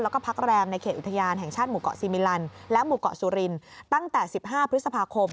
แล้วก็พักแรมในเขตอุทยานแห่งชาติหมู่เกาะซีมิลันและหมู่เกาะสุรินตั้งแต่๑๕พฤษภาคม